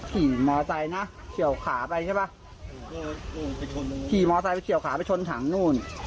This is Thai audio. ขี่มอเต๋ายไปเฉี่ยวขาไปชนถังโน้น